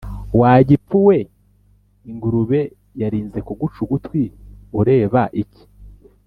wa gipfu we, ingurube yarinze kuguca ugutwi ureba iki?